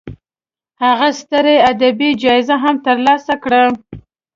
هغه ستره ادبي جایزه هم تر لاسه کړه.